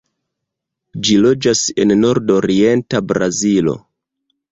Ĝi loĝas en nordorienta Brazilo.